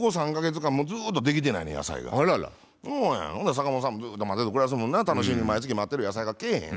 坂本さんもずっと待てど暮らせどもな楽しみに毎月待ってる野菜が来ぇへん。